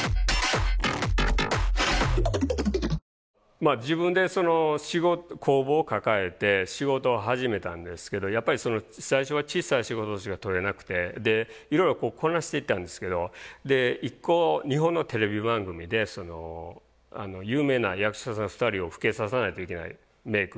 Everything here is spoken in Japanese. まあ自分で工房を抱えて仕事を始めたんですけどやっぱりその最初は小さい仕事しか取れなくていろいろこなしていたんですけど一個日本のテレビ番組で有名な役者さん２人を老けさせないといけないメイクの話があって。